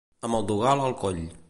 Amb el dogal al coll.